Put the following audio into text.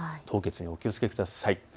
凍結にお気をつけください。